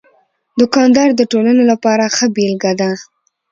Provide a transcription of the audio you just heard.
دوکاندار د ټولنې لپاره ښه بېلګه ده.